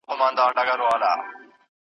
تاسو به له خپلي دندي څخه په اخلاص ګټه اخلئ.